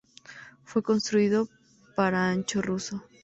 Fue construido para ancho ruso.